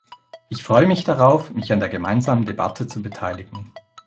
Ich freue mich darauf, mich an der gemeinsamen Debatte zu beteiligen.